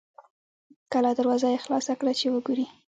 کلا دروازه یې خلاصه کړه چې وګوري.